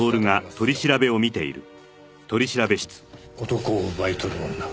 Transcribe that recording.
「男を奪い取る女